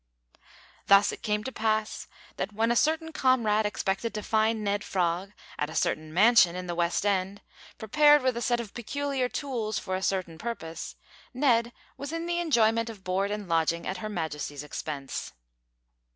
Thus it came to pass, that when a certain comrade expected to find Ned Frog at a certain mansion in the West end, prepared with a set of peculiar tools for a certain purpose, Ned was in the enjoyment of board and lodging at Her Majesty's expense.